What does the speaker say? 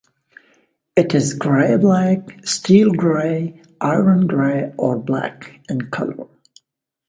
It is gray-black, steel-gray, iron-gray or black in color.